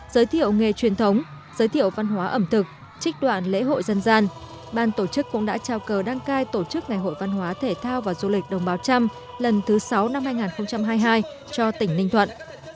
giới thiệu nghề truyền thống giới thiệu văn hóa ẩm thực trích đoạn lễ hội dân gian ban tổ chức cũng đã trao cờ đăng cai tổ chức ngày hội văn hóa thể thao và du lịch đồng bào trăm lần thứ sáu năm hai nghìn hai mươi hai cho tỉnh ninh thuận